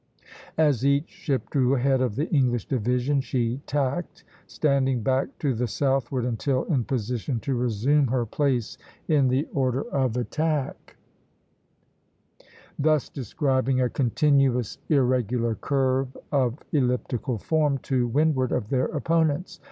As each ship drew ahead of the English division, she tacked, standing back to the southward until in position to resume her place in the order of attack, thus describing a continuous irregular curve of elliptical form, to windward of their opponents.